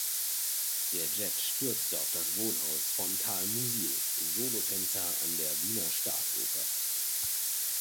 Der Jet stürzte auf das Wohnhaus von Karl Musil, Solotänzer an der Wiener Staatsoper.